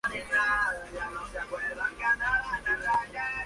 Como resultado, Rubin vendió Sport-Express presumiblemente a Baltic Media Group.